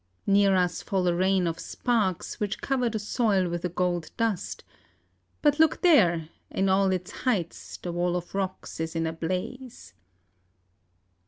Near us fall a rain of sparks, which cover the soil with a gold dust; but look there, in all its heights, the wall of rocks is in a blaze.